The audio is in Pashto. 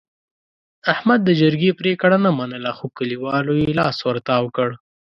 احمد د جرګې پرېګړه نه منله، خو کلیوالو یې لاس ورتاو کړ.